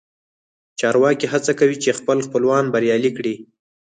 چارواکي هڅه کوي چې خپل خپلوان بریالي کړي